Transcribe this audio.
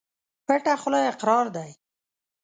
پټه خوله اقرار دى.